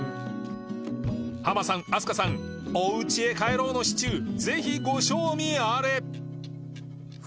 ハマさん飛鳥さん『お家へ帰ろう』のシチューぜひご賞味あれ